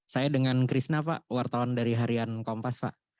saya dengan krishna pak wartawan dari harian kompas pak